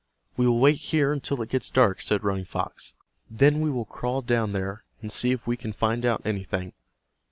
"We will wait here until it gets dark," said Running Fox. "Then we will crawl down there, and see if we can find out anything."